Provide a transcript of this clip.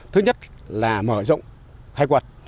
thứ nhất là mở rộng khai quật